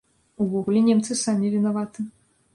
Увогуле, немцы самі вінаваты.